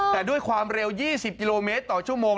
แต่ด้วยความเร็ว๒๐กิโลเมตรต่อชั่วโมง